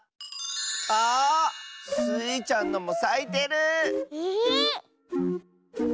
あ！スイちゃんのもさいてる！え？